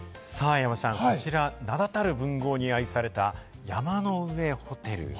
山ちゃん、こちら、名だたる文豪に愛された山の上ホテル。